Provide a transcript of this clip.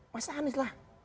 mas anies lah